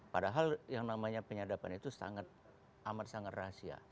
padahal yang namanya penyadapan itu sangat amat sangat rahasia